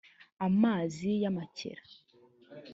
amazi y amakera